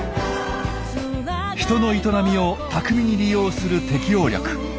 人の営みを巧みに利用する適応力。